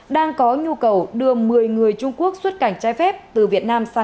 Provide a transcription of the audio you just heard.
đang có nhu cầu đưa một đối tượng cho con trai